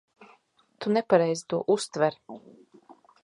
Tu nepareizi to uztver.